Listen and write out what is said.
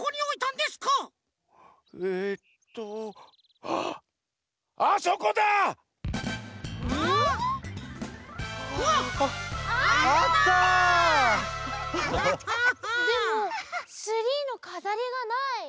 でもツリーのかざりがない！